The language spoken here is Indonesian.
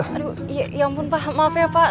aduh ya ampun pak maaf ya pak